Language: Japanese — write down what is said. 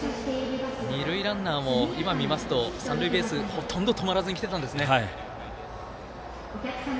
二塁ランナーも今見ますと、三塁ベースほとんど止まらずにきていたんですね。